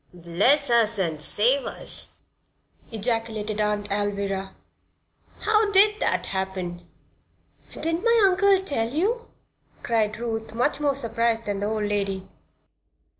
"Bless us and save us!" ejaculated Aunt Alvirah. "How did that happen?" "Didn't my uncle tell you?" cried Ruth, much more surprised than the old lady.